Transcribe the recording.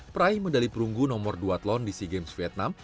peraih medali perunggu nomor dua tlon di sea games vietnam